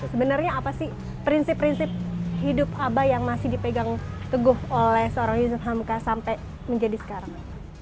sebenarnya apa sih prinsip prinsip hidup abah yang masih dipegang teguh oleh seorang yusuf hamka sampai menjadi sekarang